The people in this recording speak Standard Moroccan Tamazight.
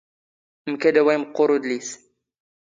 ⵎⴽⴰⴷ ⴰⵡⴰ ⵉⵎⵇⵇⵓⵔ ⵓⴷⵍⵉⵙ.